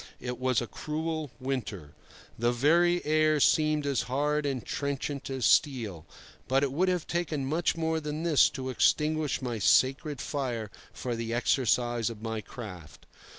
It was a cruel winter. The very air seemed as hard and trenchant as steel; but it would have taken much more than this to extinguish my sacred fire for the exercise of my craft.